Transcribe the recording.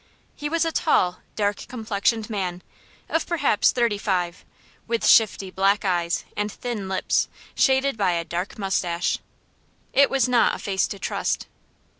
He was a tall, dark complexioned man, of perhaps thirty five, with shifty, black eyes and thin lips, shaded by a dark mustache. It was not a face to trust.